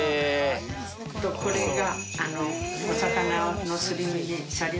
これが。